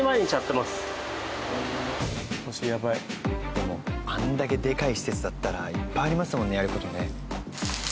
でもあれだけでかい施設だったらいっぱいありますもんねやる事ね。